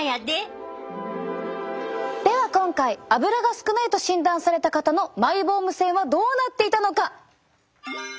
では今回アブラが少ないと診断された方のマイボーム腺はどうなっていたのか。